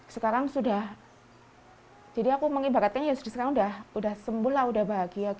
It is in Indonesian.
sekarang sudah jadi aku mengibarkan ya sudah sembuh lah sudah bahagia